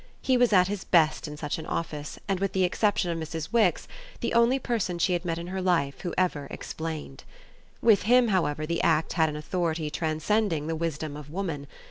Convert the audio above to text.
He was at his best in such an office and with the exception of Mrs. Wix the only person she had met in her life who ever explained. With him, however, the act had an authority transcending the wisdom of woman.